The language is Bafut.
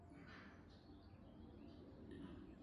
M̀bə a bə aa ma yû ànnù, nɨ̀ liꞌìnə̀ ɨ̀bɨ̂ ghâ.